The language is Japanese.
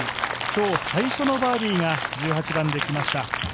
今日、最初のバーディーが１８番できました。